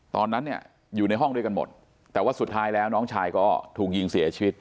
ตอนนั้นเนี่ยอยู่ในห้องด้วยกันหมดแต่ว่าสุดท้ายแล้วน้องชายก็ถูกยิงเสียชีวิต